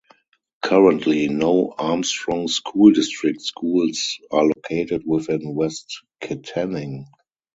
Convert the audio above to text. Currently, no Armstrong School District schools are located within West Kittanning.